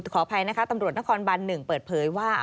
ขออภัยนะคะตำรวจนครบัน๑เปิดเผยว่า